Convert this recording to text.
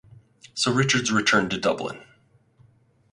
So Richards returned to Dublin.